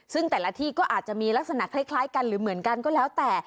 ซึ่งแต่ละที่ก็อาจจะมีลักษณะคล้ายกันหรือเหมือนกันก็แล้วแต่